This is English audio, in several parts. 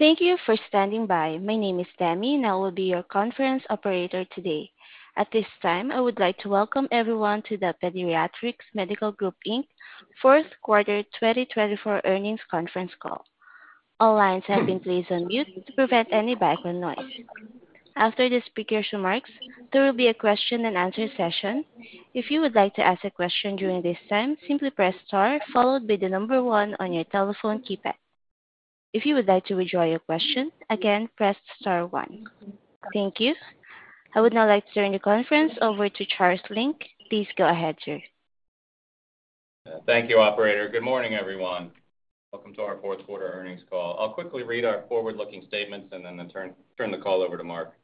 Thank you for standing by. My name is Demi, and I will be your conference operator today. At this time, I would like to welcome everyone to the Pediatrix Medical Group Inc. Fourth Quarter 2024 earnings conference call. All lines have been placed on mute to prevent any background noise. After the speaker's remarks, there will be a question-and-answer session. If you would like to ask a question during this time, simply press Star, followed by the number one on your telephone keypad. If you would like to withdraw your question, again, press Star One. Thank you. I would now like to turn the conference over to Charles Lynch. Please go ahead, sir. Thank you, Operator. Good morning, everyone. Welcome to our fourth quarter earnings call. I'll quickly read our forward-looking statements and then turn the call over to Mark.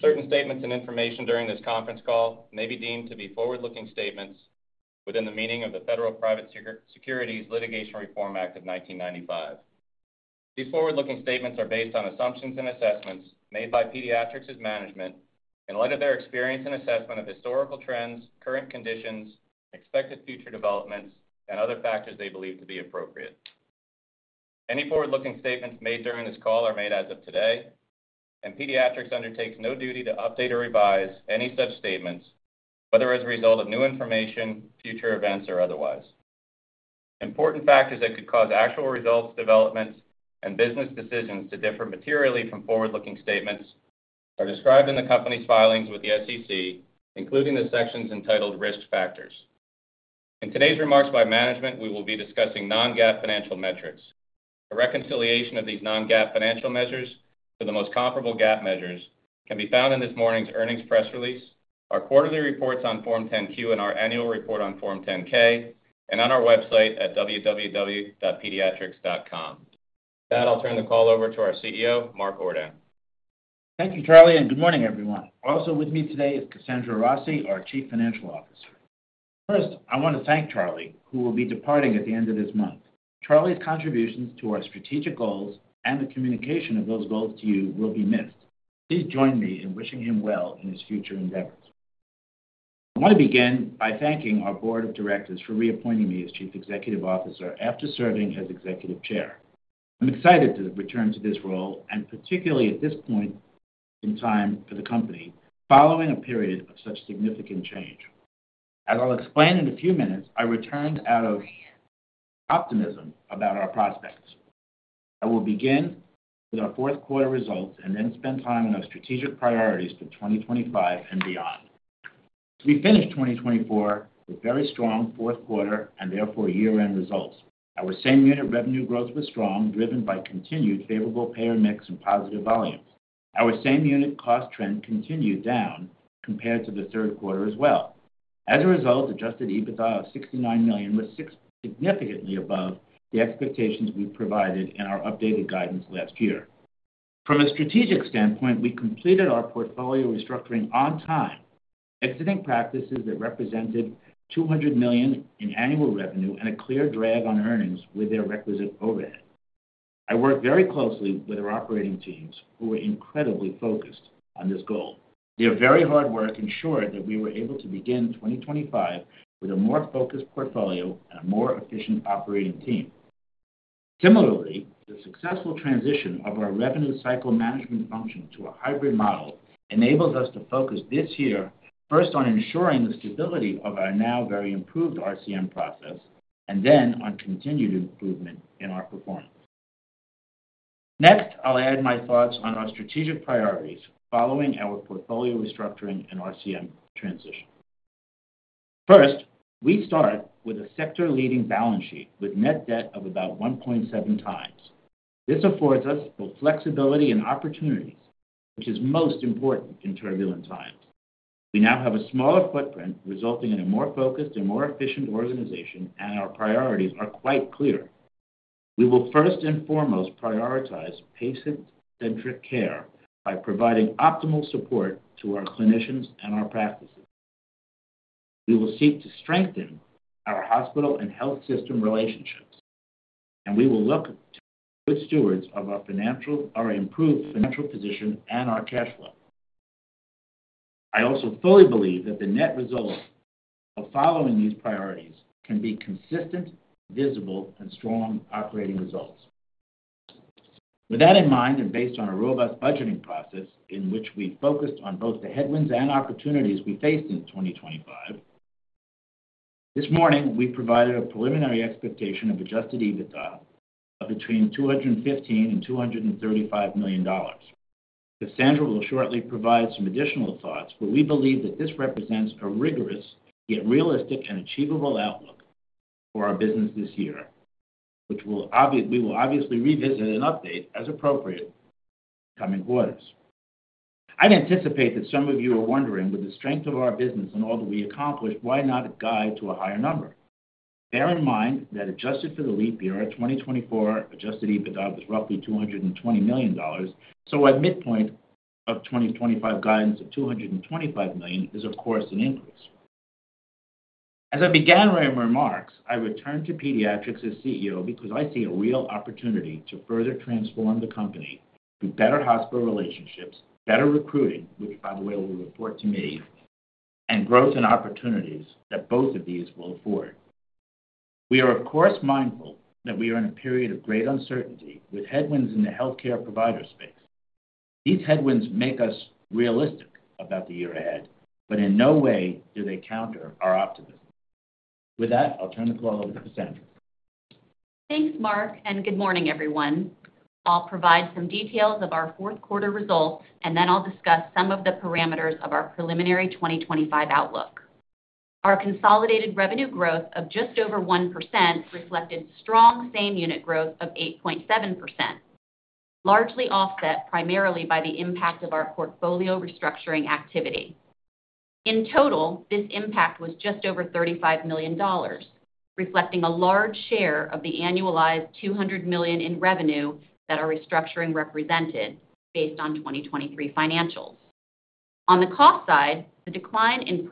Certain statements and information during this conference call may be deemed to be forward-looking statements within the meaning of the Private Securities Litigation Reform Act of 1995. These forward-looking statements are based on assumptions and assessments made by Pediatrix's management in light of their experience and assessment of historical trends, current conditions, expected future developments, and other factors they believe to be appropriate. Any forward-looking statements made during this call are made as of today, and Pediatrix undertakes no duty to update or revise any such statements, whether as a result of new information, future events, or otherwise. Important factors that could cause actual results, developments, and business decisions to differ materially from forward-looking statements are described in the company's filings with the SEC, including the sections entitled Risk Factors. In today's remarks by management, we will be discussing non-GAAP financial metrics. A reconciliation of these non-GAAP financial measures to the most comparable GAAP measures can be found in this morning's earnings press release, our quarterly reports on Form 10-Q, and our annual report on Form 10-K, and on our website at www.pediatrix.com. With that, I'll turn the call over to our CEO, Mark Ordan. Thank you, Charlie, and good morning, everyone. Also with me today is Kasandra Rossi, our Chief Financial Officer. First, I want to thank Charlie, who will be departing at the end of this month. Charlie's contributions to our strategic goals and the communication of those goals to you will be missed. Please join me in wishing him well in his future endeavors. I want to begin by thanking our Board of Directors for reappointing me as Chief Executive Officer after serving as Executive Chair. I'm excited to return to this role, and particularly at this point in time for the company, following a period of such significant change. As I'll explain in a few minutes, I returned out of optimism about our prospects. I will begin with our fourth quarter results and then spend time on our strategic priorities for 2025 and beyond. We finished 2024 with very strong fourth quarter and therefore year-end results. Our same-unit revenue growth was strong, driven by continued favorable payer mix and positive volumes. Our same-unit cost trend continued down compared to the third quarter as well. As a result, Adjusted EBITDA of $69 million was significantly above the expectations we provided in our updated guidance last year. From a strategic standpoint, we completed our portfolio restructuring on time, exiting practices that represented $200 million in annual revenue and a clear drag on earnings with their requisite overhead. I worked very closely with our operating teams, who were incredibly focused on this goal. Their very hard work ensured that we were able to begin 2025 with a more focused portfolio and a more efficient operating team. Similarly, the successful transition of our revenue cycle management function to a hybrid model enables us to focus this year first on ensuring the stability of our now very improved RCM process and then on continued improvement in our performance. Next, I'll add my thoughts on our strategic priorities following our portfolio restructuring and RCM transition. First, we start with a sector-leading balance sheet with net debt of about 1.7 times. This affords us both flexibility and opportunities, which is most important in turbulent times. We now have a smaller footprint, resulting in a more focused and more efficient organization, and our priorities are quite clear. We will first and foremost prioritize patient-centric care by providing optimal support to our clinicians and our practices. We will seek to strengthen our hospital and health system relationships, and we will look to be good stewards of our improved financial position and our cash flow. I also fully believe that the net result of following these priorities can be consistent, visible, and strong operating results. With that in mind and based on a robust budgeting process in which we focused on both the headwinds and opportunities we faced in 2025, this morning we provided a preliminary expectation of Adjusted EBITDA of between $215 million and $235 million. Kasandra will shortly provide some additional thoughts, but we believe that this represents a rigorous yet realistic and achievable outlook for our business this year, which we will obviously revisit and update as appropriate in the coming quarters. I anticipate that some of you are wondering, with the strength of our business and all that we accomplished, why not guide to a higher number? Bear in mind that adjusted for the leap year, our 2024 Adjusted EBITDA was roughly $220 million, so our midpoint of 2025 guidance of $225 million is, of course, an increase. As I began my remarks, I returned to Pediatrix as CEO because I see a real opportunity to further transform the company through better hospital relationships, better recruiting, which, by the way, will report to me, and growth and opportunities that both of these will afford. We are, of course, mindful that we are in a period of great uncertainty with headwinds in the healthcare provider space. These headwinds make us realistic about the year ahead, but in no way do they counter our optimism. With that, I'll turn the call over to Kasandra. Thanks, Mark, and good morning, everyone. I'll provide some details of our fourth quarter results, and then I'll discuss some of the parameters of our preliminary 2025 outlook. Our consolidated revenue growth of just over 1% reflected strong same-unit growth of 8.7%, largely offset primarily by the impact of our portfolio restructuring activity. In total, this impact was just over $35 million, reflecting a large share of the annualized $200 million in revenue that our restructuring represented based on 2023 financials. On the cost side, the decline in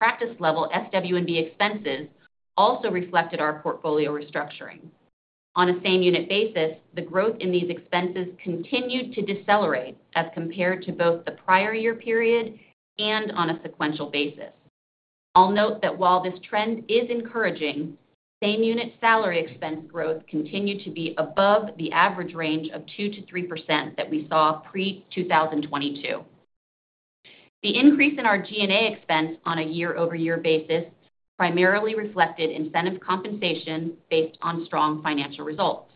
practice-level SWB expenses also reflected our portfolio restructuring. On a same-unit basis, the growth in these expenses continued to decelerate as compared to both the prior year period and on a sequential basis. I'll note that while this trend is encouraging, same-unit salary expense growth continued to be above the average range of 2%-3% that we saw pre-2022. The increase in our G&A expense on a year-over-year basis primarily reflected incentive compensation based on strong financial results.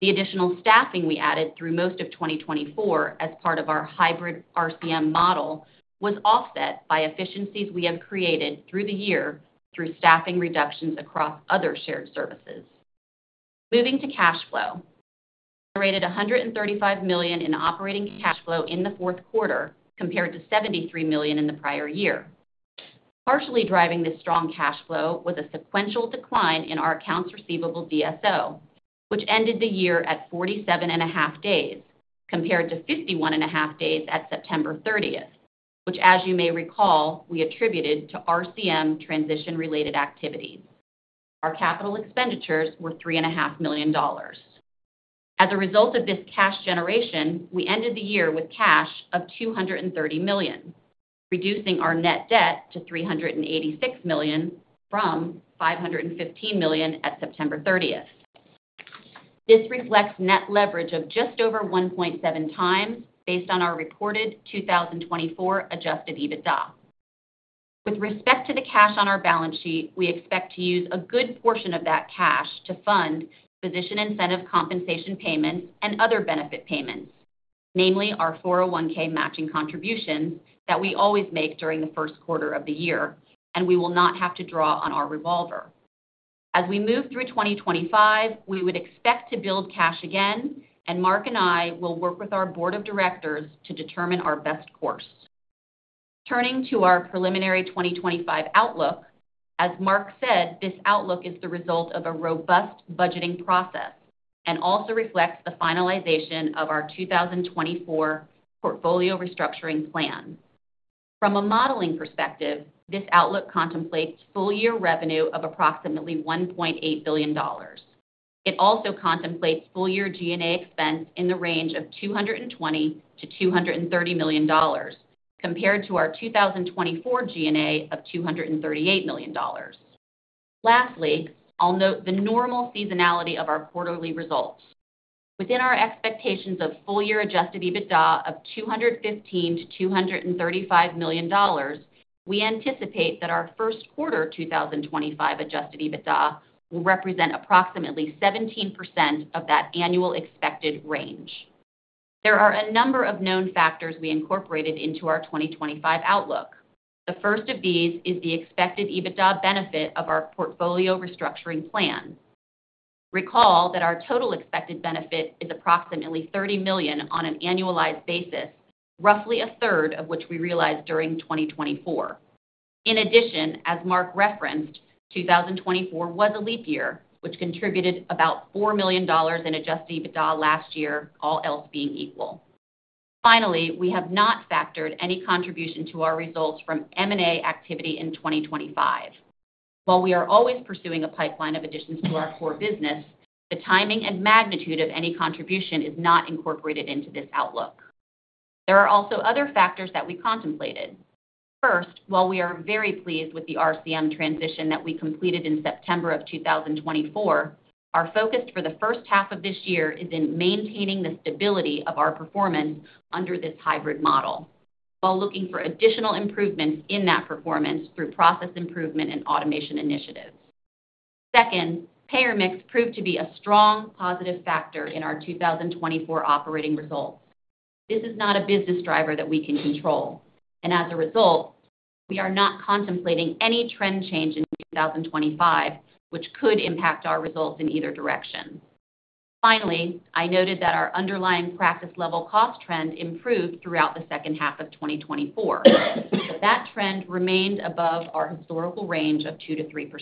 The additional staffing we added through most of 2024 as part of our hybrid RCM model was offset by efficiencies we have created through the year through staffing reductions across other shared services. Moving to cash flow, we generated $135 million in operating cash flow in the fourth quarter compared to $73 million in the prior year. Partially driving this strong cash flow was a sequential decline in our accounts receivable DSO, which ended the year at 47.5 days compared to 51.5 days at September 30th, which, as you may recall, we attributed to RCM transition-related activities. Our capital expenditures were $3.5 million. As a result of this cash generation, we ended the year with cash of $230 million, reducing our net debt to $386 million from $515 million at September 30th. This reflects net leverage of just over 1.7 times based on our reported 2024 Adjusted EBITDA. With respect to the cash on our balance sheet, we expect to use a good portion of that cash to fund physician incentive compensation payments and other benefit payments, namely our 401(k) matching contributions that we always make during the first quarter of the year, and we will not have to draw on our revolver. As we move through 2025, we would expect to build cash again, and Mark and I will work with our Board of Directors to determine our best course. Turning to our preliminary 2025 outlook, as Mark said, this outlook is the result of a robust budgeting process and also reflects the finalization of our 2024 portfolio restructuring plan. From a modeling perspective, this outlook contemplates full-year revenue of approximately $1.8 billion. It also contemplates full-year G&A expense in the range of $220 million-$230 million compared to our 2024 G&A of $238 million. Lastly, I'll note the normal seasonality of our quarterly results. Within our expectations of full-year Adjusted EBITDA of $215 million-$235 million, we anticipate that our first quarter 2025 Adjusted EBITDA will represent approximately 17% of that annual expected range. There are a number of known factors we incorporated into our 2025 outlook. The first of these is the expected EBITDA benefit of our portfolio restructuring plan. Recall that our total expected benefit is approximately $30 million on an annualized basis, roughly a third of which we realized during 2024. In addition, as Mark referenced, 2024 was a leap year, which contributed about $4 million in Adjusted EBITDA last year, all else being equal. Finally, we have not factored any contribution to our results from M&A activity in 2025. While we are always pursuing a pipeline of additions to our core business, the timing and magnitude of any contribution is not incorporated into this outlook. There are also other factors that we contemplated. First, while we are very pleased with the RCM transition that we completed in September of 2024, our focus for the first half of this year is in maintaining the stability of our performance under this hybrid model while looking for additional improvements in that performance through process improvement and automation initiatives. Second, payer mix proved to be a strong positive factor in our 2024 operating results. This is not a business driver that we can control, and as a result, we are not contemplating any trend change in 2025, which could impact our results in either direction. Finally, I noted that our underlying practice-level cost trend improved throughout the second half of 2024, but that trend remained above our historical range of 2%-3%.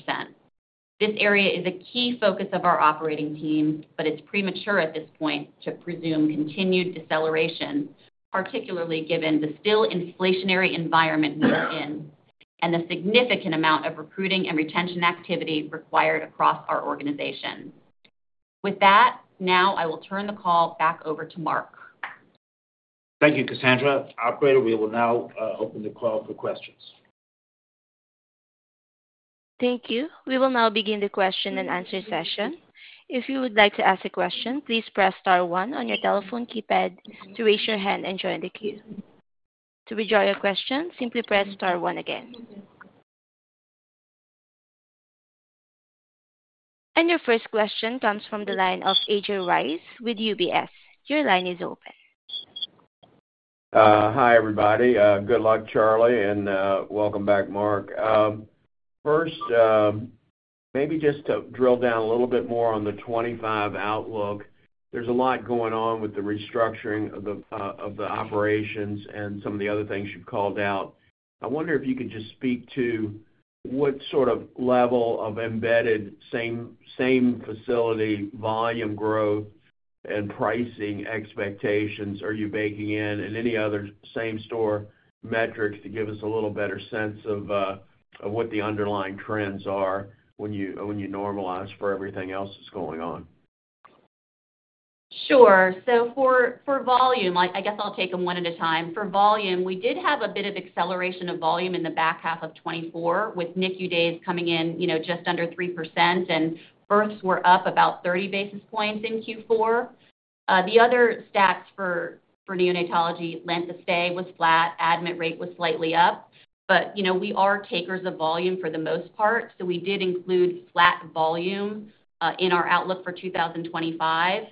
This area is a key focus of our operating team, but it's premature at this point to presume continued deceleration, particularly given the still inflationary environment we are in and the significant amount of recruiting and retention activity required across our organization. With that, now I will turn the call back over to Mark. Thank you, Kasandra. Operator, we will now open the call for questions. Thank you. We will now begin the question-and-answer session. If you would like to ask a question, please press star one on your telephone keypad to raise your hand and join the queue. To withdraw your question, simply press star one again. And your first question comes from the line of A.J. Rice with UBS. Your line is open. Hi, everybody. Good luck, Charlie, and welcome back, Mark. First, maybe just to drill down a little bit more on the 2025 outlook, there's a lot going on with the restructuring of the operations and some of the other things you've called out. I wonder if you could just speak to what sort of level of embedded same-facility volume growth and pricing expectations are you baking in and any other same-store metrics to give us a little better sense of what the underlying trends are when you normalize for everything else that's going on. Sure. So for volume, I guess I'll take them one at a time. For volume, we did have a bit of acceleration of volume in the back half of 2024 with NICU days coming in just under 3%, and births were up about 30 basis points in Q4. The other stats for neonatology, length of stay was flat, admit rate was slightly up, but we are takers of volume for the most part, so we did include flat volume in our outlook for 2025.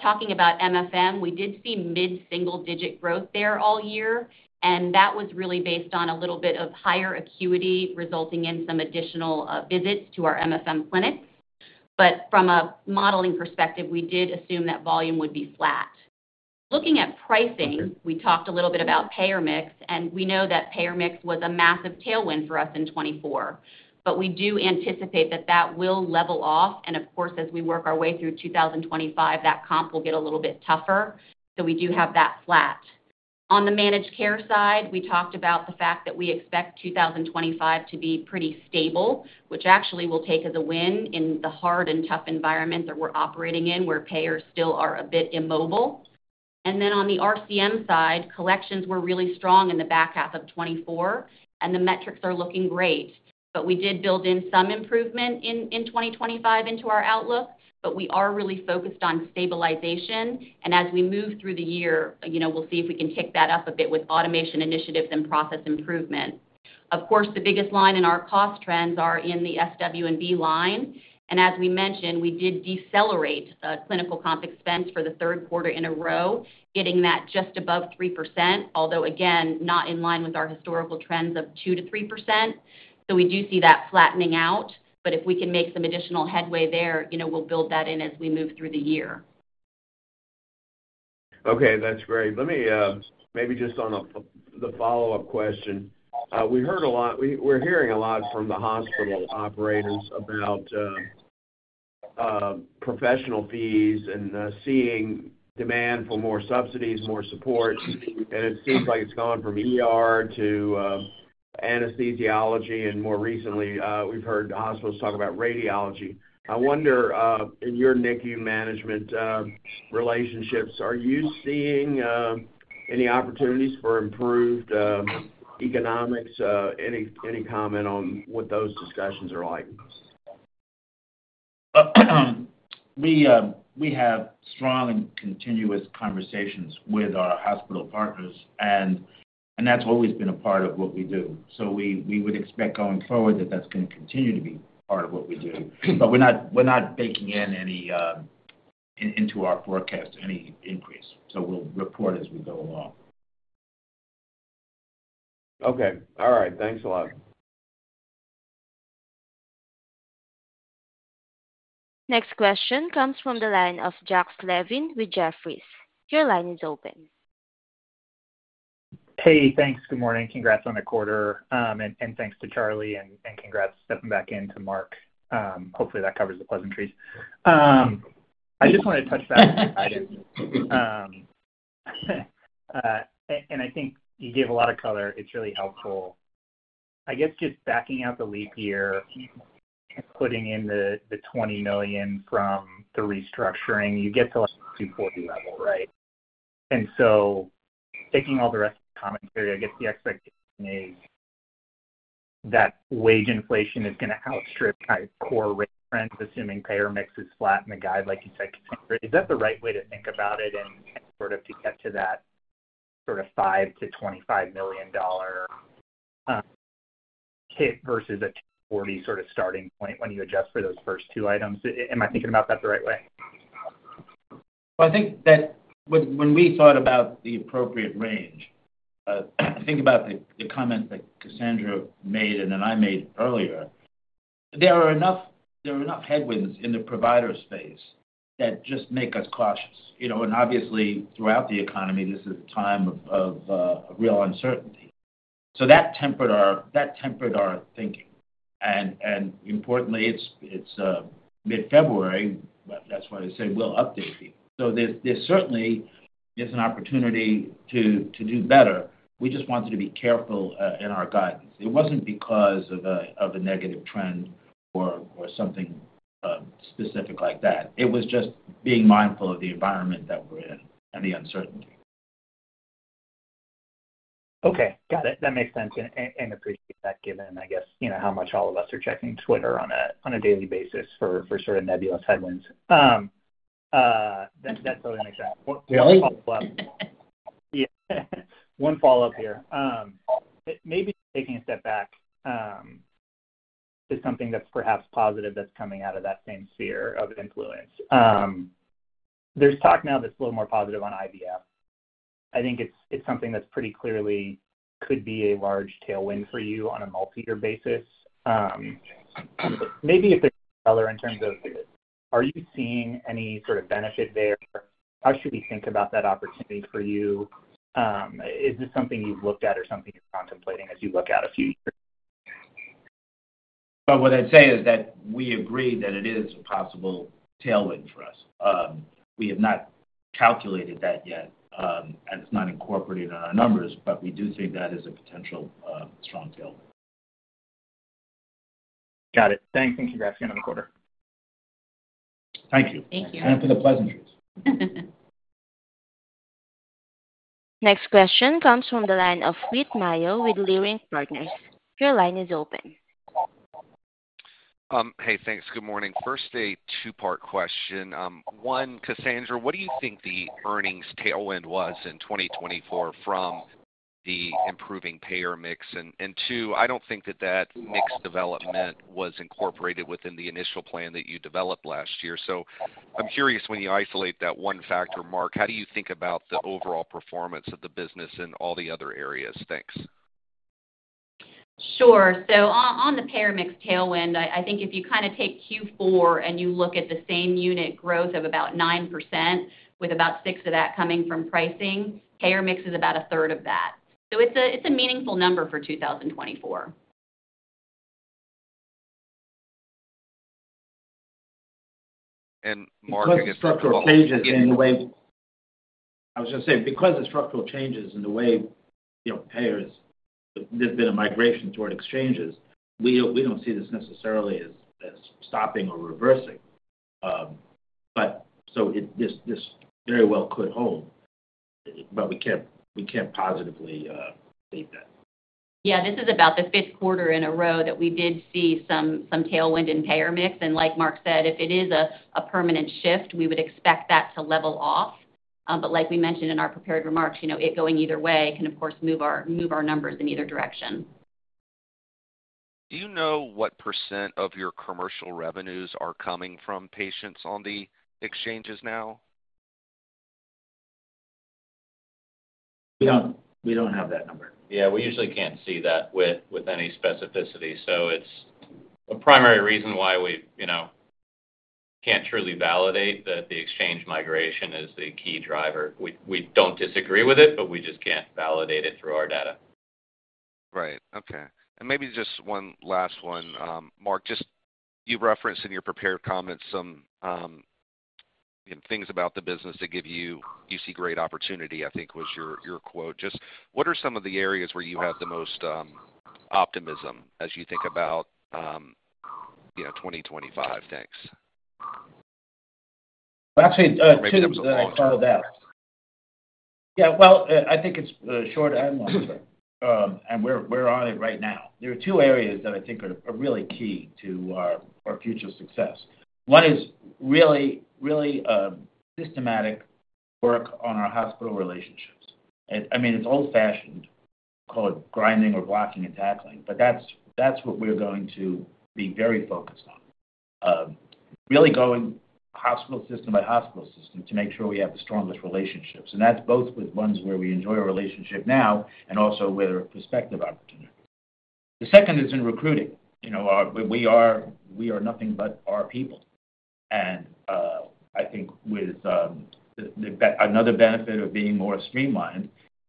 Talking about MFM, we did see mid-single-digit growth there all year, and that was really based on a little bit of higher acuity resulting in some additional visits to our MFM clinics. But from a modeling perspective, we did assume that volume would be flat. Looking at pricing, we talked a little bit about payer mix, and we know that payer mix was a massive tailwind for us in 2024, but we do anticipate that that will level off, and of course, as we work our way through 2025, that comp will get a little bit tougher, so we do have that flat. On the managed care side, we talked about the fact that we expect 2025 to be pretty stable, which actually will take as a win in the hard and tough environments that we're operating in where payers still are a bit immobile, and then on the RCM side, collections were really strong in the back half of 2024, and the metrics are looking great, but we did build in some improvement in 2025 into our outlook, but we are really focused on stabilization. As we move through the year, we'll see if we can kick that up a bit with automation initiatives and process improvement. Of course, the biggest line in our cost trends are in the SWB line, and as we mentioned, we did decelerate clinical comp expense for the third quarter in a row, getting that just above 3%, although, again, not in line with our historical trends of 2%-3%. We do see that flattening out, but if we can make some additional headway there, we'll build that in as we move through the year. Okay, that's great. Maybe just on the follow-up question, we're hearing a lot from the hospital operators about professional fees and seeing demand for more subsidies, more support, and it seems like it's gone from to anesthesiology, and more recently, we've heard hospitals talk about radiology. I wonder, in your NICU management relationships, are you seeing any opportunities for improved economics? Any comment on what those discussions are like? We have strong and continuous conversations with our hospital partners, and that's always been a part of what we do, so we would expect going forward that that's going to continue to be part of what we do, but we're not baking any increase into our forecast, so we'll report as we go along. Okay. All right. Thanks a lot. Next question comes from the line of Jack Slevin with Jefferies. Your line is open. Hey, thanks. Good morning. Congrats on the quarter, and thanks to Charlie, and congrats stepping back in to Mark. Hopefully, that covers the pleasantries. I just want to touch back on the guidance, and I think you gave a lot of color. It's really helpful. I guess just backing out the leap year and putting in the $20 million from the restructuring, you get to a $240 level, right? And so taking all the rest of the commentary, I guess the expectation is that wage inflation is going to outstrip the core rate trend, assuming payer mix is flat and the guide, like you said, continues. Is that the right way to think about it and sort of to get to that sort of $5 million-$25 million hit versus a $240 sort of starting point when you adjust for those first two items? Am I thinking about that the right way? Well, I think that when we thought about the appropriate range, think about the comments that Kasandra made and that I made earlier. There are enough headwinds in the provider space that just make us cautious. And obviously, throughout the economy, this is a time of real uncertainty. So that tempered our thinking. And importantly, it's mid-February, that's why I say we'll update people. So there certainly is an opportunity to do better. We just wanted to be careful in our guidance. It wasn't because of a negative trend or something specific like that. It was just being mindful of the environment that we're in and the uncertainty. Okay. Got it. That makes sense, and appreciate that, given, I guess, how much all of us are checking Twitter on a daily basis for sort of nebulous headwinds. That totally makes sense. Really? One follow-up here. Maybe taking a step back to something that's perhaps positive that's coming out of that same sphere of influence. There's talk now that's a little more positive on IVF. I think it's something that's pretty clearly could be a large tailwind for you on a multi-year basis. Maybe if there's color in terms of, are you seeing any sort of benefit there? How should we think about that opportunity for you? Is this something you've looked at or something you're contemplating as you look out a few years? What I'd say is that we agree that it is a possible tailwind for us. We have not calculated that yet, and it's not incorporated in our numbers, but we do think that is a potential strong tailwind. Got it. Thanks, and congrats again on the quarter. Thank you. Thank you. For the pleasantries. Next question comes from the line of Whit Mayo with Leerink Partners. Your line is open. Hey, thanks. Good morning. First, a two-part question. One, Kasandra, what do you think the earnings tailwind was in 2024 from the improving payer mix? And two, I don't think that that mix development was incorporated within the initial plan that you developed last year. So I'm curious, when you isolate that one factor, Mark, how do you think about the overall performance of the business in all the other areas? Thanks. Sure. So on the payer mix tailwind, I think if you kind of take Q4 and you look at the same unit growth of about 9% with about 6% of that coming from pricing, payer mix is about a third of that. So it's a meaningful number for 2024. Mark, I guess. Because of structural changes in the way payers there's been a migration toward exchanges, we don't see this necessarily as stopping or reversing. So this very well could hold, but we can't positively state that. Yeah, this is about the fifth quarter in a row that we did see some tailwind in payer mix. And like Mark said, if it is a permanent shift, we would expect that to level off. But like we mentioned in our prepared remarks, it going either way can, of course, move our numbers in either direction. Do you know what % of your commercial revenues are coming from patients on the exchanges now? We don't have that number. Yeah, we usually can't see that with any specificity. So it's a primary reason why we can't truly validate that the exchange migration is the key driver. We don't disagree with it, but we just can't validate it through our data. Right. Okay. And maybe just one last one, Mark. Just you referenced in your prepared comments some things about the business that you see great opportunity, I think was your quote. Just what are some of the areas where you have the most optimism as you think about 2025? Thanks. Well, actually. Where do you think? I think it's short-term. And where are they right now? There are two areas that I think are really key to our future success. One is really systematic work on our hospital relationships. I mean, it's old-fashioned called grinding or blocking and tackling, but that's what we're going to be very focused on. Really going hospital system by hospital system to make sure we have the strongest relationships. And that's both with ones where we enjoy a relationship now and also with a prospective opportunity. The second is in recruiting. We are nothing but our people. And I think with another benefit of being more streamlined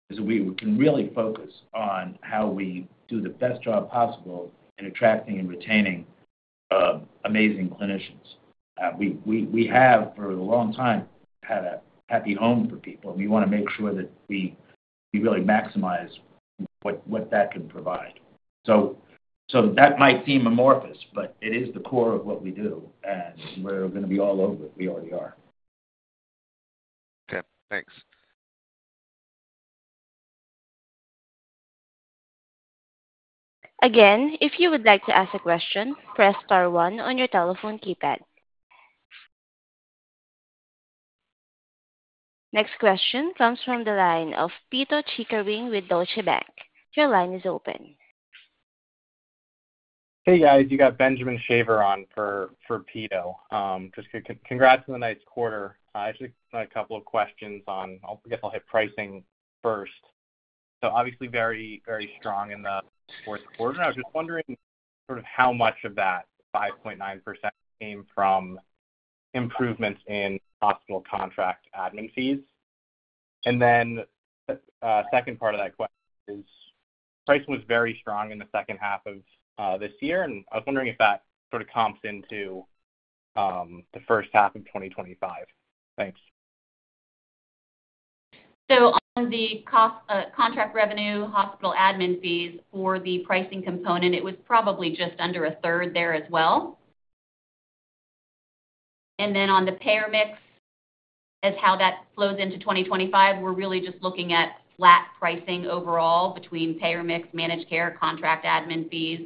is that we can really focus on how we do the best job possible in attracting and retaining amazing clinicians. We have for a long time had a happy home for people, and we want to make sure that we really maximize what that can provide. So that might seem amorphous, but it is the core of what we do, and we're going to be all over it. We already are. Okay. Thanks. Again, if you would like to ask a question, press star one on your telephone keypad. Next question comes from the line of Pito Chickering with Deutsche Bank. Your line is open. Hey, guys. You got Benjamin Shaver on for Pito. Just congrats on the nice quarter. Actually, a couple of questions on, I guess I'll hit pricing first. So obviously very, very strong in the fourth quarter. I was just wondering sort of how much of that 5.9% came from improvements in hospital contract admin fees. And then the second part of that question is price was very strong in the second half of this year, and I was wondering if that sort of comps into the first half of 2025. Thanks. So on the contract revenue, hospital admin fees for the pricing component, it was probably just under a third there as well. And then on the payer mix, as how that flows into 2025, we're really just looking at flat pricing overall between payer mix, managed care, contract admin fees,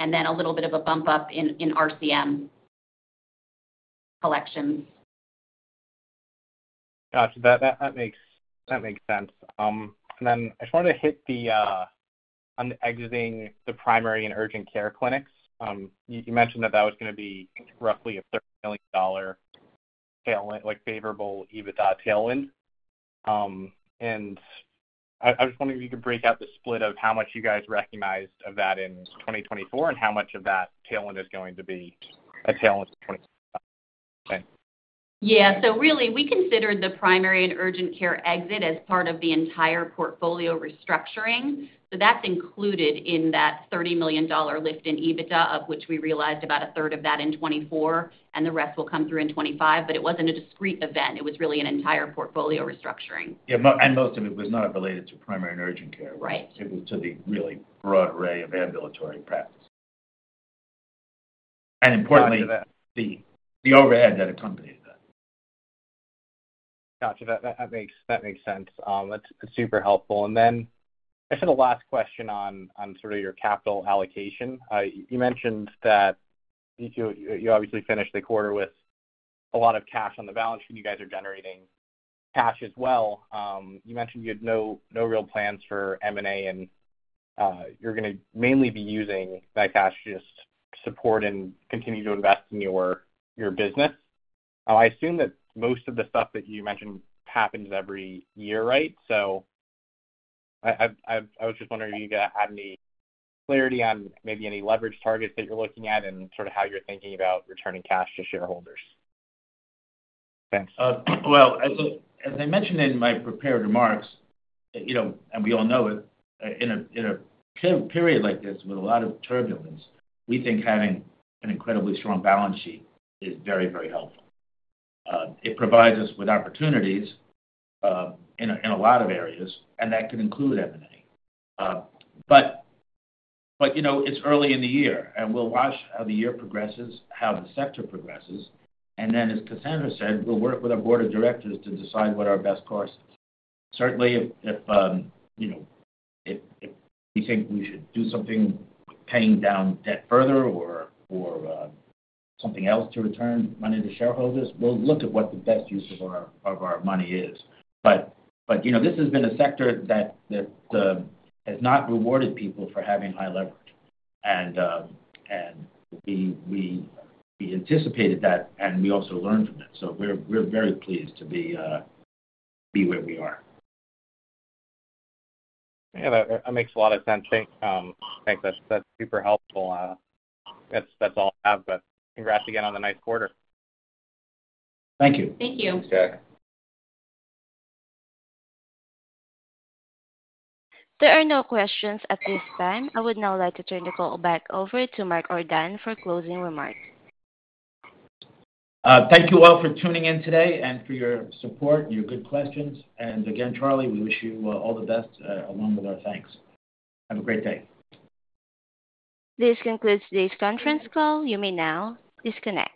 and then a little bit of a bump up in RCM collections. Gotcha. That makes sense. And then I just wanted to hit the exiting the primary and urgent care clinics. You mentioned that that was going to be roughly a $30 million favorable EBITDA tailwind. And I was wondering if you could break out the split of how much you guys recognized of that in 2024 and how much of that tailwind is going to be a tailwind for 2025? Yeah. So really, we considered the primary and urgent care exit as part of the entire portfolio restructuring. So that's included in that $30 million lift in EBITDA, of which we realized about a third of that in 2024, and the rest will come through in 2025, but it wasn't a discrete event. It was really an entire portfolio restructuring. Yeah, and most of it was not related to primary and urgent care. It was to the really broad array of ambulatory practice, and importantly. Gotcha. The overhead that accompanied that. Gotcha. That makes sense. That's super helpful. And then I just had a last question on sort of your capital allocation. You mentioned that you obviously finished the quarter with a lot of cash on the balance sheet. You guys are generating cash as well. You mentioned you had no real plans for M&A, and you're going to mainly be using that cash to just support and continue to invest in your business. I assume that most of the stuff that you mentioned happens every year, right? So I was just wondering if you could add any clarity on maybe any leverage targets that you're looking at and sort of how you're thinking about returning cash to shareholders. Thanks. As I mentioned in my prepared remarks, and we all know it, in a period like this with a lot of turbulence, we think having an incredibly strong balance sheet is very, very helpful. It provides us with opportunities in a lot of areas, and that could include M&A. It's early in the year, and we'll watch how the year progresses, how the sector progresses. Then, as Kasandra said, we'll work with our board of directors to decide what our best course is. Certainly, if we think we should do something with paying down debt further or something else to return money to shareholders, we'll look at what the best use of our money is. This has been a sector that has not rewarded people for having high leverage. We anticipated that, and we also learned from it. So we're very pleased to be where we are. Yeah. That makes a lot of sense. Thanks. That's super helpful. That's all I have, but congrats again on the ninth quarter. Thank you. Thank you. Check. There are no questions at this time. I would now like to turn the call back over to Mark Ordan for closing remarks. Thank you all for tuning in today and for your support, your good questions, and again, Charlie, we wish you all the best along with our thanks. Have a great day. This concludes today's conference call. You may now disconnect.